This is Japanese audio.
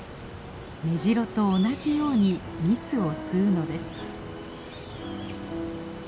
メジロと同じように蜜を吸うのです。